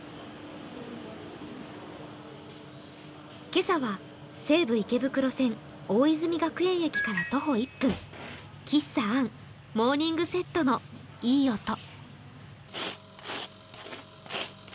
今朝は西武池袋線・大泉学園駅から徒歩１分、喫茶アン、モーニングセットのいい音。